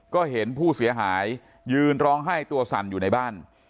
ก็เห็นผู้เสียหายยืนร้องไห้ตัวสั่นอยู่ในบ้าน